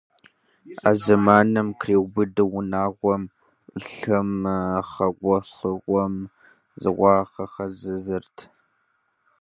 А зэманым къриубыдэу унагъуэм, Ӏыхьлыхэм хьэгъуэлӀыгъуэм зыхуагъэхьэзырырт.